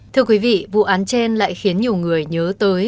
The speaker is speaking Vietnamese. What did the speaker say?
thưa quý vị vụ án trên lại khiến nhiều người nhớ tới